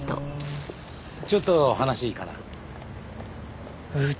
ちょっと話いいかな？